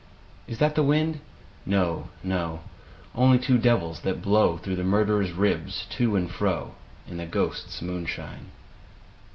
Is that the wind ? No, no ; Only two devils, that blow Through the murderer's ribs to and fro. In the ghosts' moonshine.